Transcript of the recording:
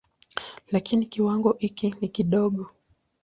Lakini kiwango hiki ni kidogo.